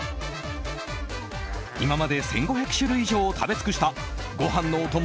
今まで１５００種類以上を食べつくしたご飯のお供